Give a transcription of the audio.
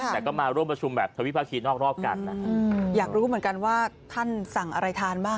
แต่ก็มาร่วมประชุมแบบทวิภาคีนอกรอบกันนะอยากรู้เหมือนกันว่าท่านสั่งอะไรทานบ้าง